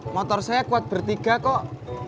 motor saya kuat bertiga kok